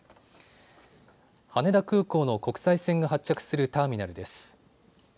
羽田空港の国際線が発着するターミナルです。